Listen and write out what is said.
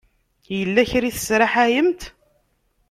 Yella kra i tesraḥayemt?